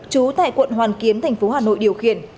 trú tại quận hoàn kiếm thành phố hà nội điều khiển